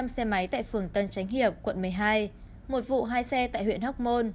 năm xe máy tại phường tân chánh hiệp quận một mươi hai một vụ hai xe tại huyện hóc môn